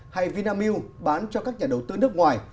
hay vinamilk bán cho các nhà đầu tư nước ngoài